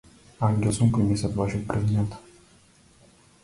Ангел сум кој не се плаши од празнината.